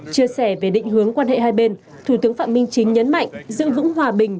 chia sẻ về định hướng quan hệ hai bên thủ tướng phạm minh chính nhấn mạnh giữ vững hòa bình